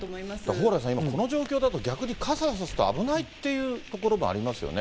蓬莱さん、今、この状況だと逆に傘差すと危ないっていうところもありますよね。